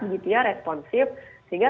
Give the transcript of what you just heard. begitu ya responsif sehingga